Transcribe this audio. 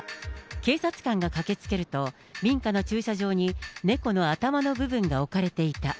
警察官が駆けつけると、民家の駐車場に猫の頭の部分が置かれていた。